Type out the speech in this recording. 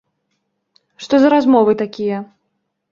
Што за размовы такія?!